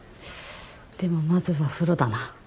でもまずは風呂だな。